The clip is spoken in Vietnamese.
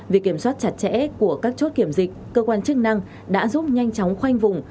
việc kiểm soát chặt chẽ của các chốt kiểm dịch cơ quan chức năng đã giúp nhanh chóng khoanh vùng